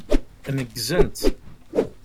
Neggzent.